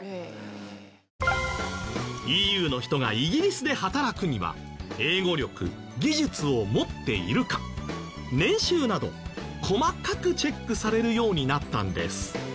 ＥＵの人がイギリスで働くには英語力技術を持っているか年収など細かくチェックされるようになったんです。